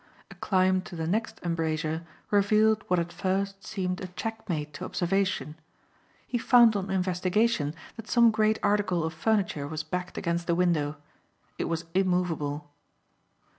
A climb to the next embrasure revealed what at first seemed a checkmate to observation. He found on investigation that some great article of furniture was backed against the window. It was immovable.